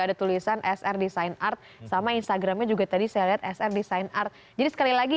ada tulisan srdesign art sama instagramnya juga tadi saya lihat srdesign art jadi sekali lagi